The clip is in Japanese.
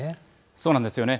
そうなんですよね。